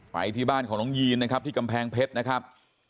ไปที่บ้านของน้องยีนนะครับที่กำแพงเพชรนะครับ